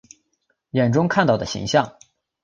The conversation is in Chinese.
眼中看到的形象